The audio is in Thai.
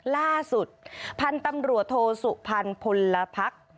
ล่าสุดพันธุ์ตำรวจโทสุพรรณพลพัก